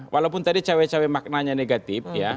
walaupun tadi cawe cawe maknanya negatif ya